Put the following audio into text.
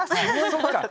そっか。